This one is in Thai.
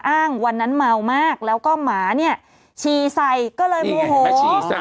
อ้างวันนั้นเมามากแล้วก็หมาเนี่ยฉี่ใส่ก็เลยโมโห